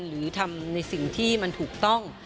หรือทำในสิ่งที่มันถูกต้อง